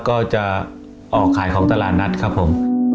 ก็จะออกขายของตลาดนัดครับผม